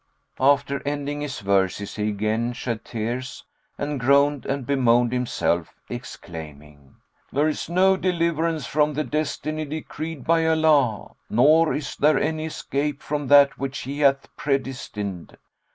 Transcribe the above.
After ending his verses he again shed tears, and groaned and bemoaned himself, exclaiming, "There is no deliverance from the destiny decreed by Allah; nor is there any escape from that which He hath predestined!"